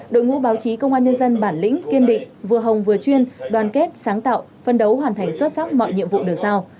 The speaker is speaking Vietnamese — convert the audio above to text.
đội ngũ báo chí công an nhân dân bản lĩnh kiên định vừa hồng vừa chuyên đoàn kết sáng tạo phân đấu hoàn thành xuất sắc mọi nhiệm vụ được giao